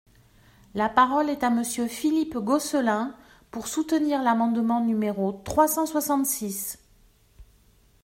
La parole est à Monsieur Philippe Gosselin, pour soutenir l’amendement numéro trois cent soixante-six.